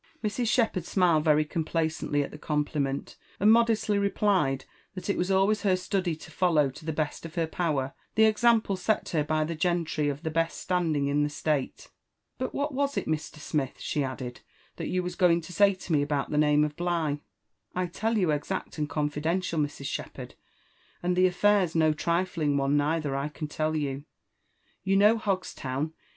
Mrs. Shepherd smiled very complacently at the compliment, and modestly replied, that it was always her study to follow to the best of her power the example set her by the gentry of the best standing in the state, —" Bui what was it, Mr. Smith," she added, *' that you was going to say to me about the name of Bligh '^"" I'll tell you exact and confidential, Mrs. Shepherd ; and the aflair's no trifling one neither, I can tell you. You know Hogstown?